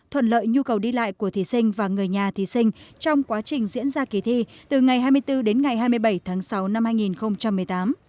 thuận lợi nhu cầu đi lại của thí sinh và người nhà thí sinh trong quá trình diễn ra kỳ thi từ ngày hai mươi bốn đến ngày hai mươi bảy tháng sáu năm hai nghìn một mươi tám